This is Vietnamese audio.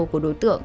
của đối tượng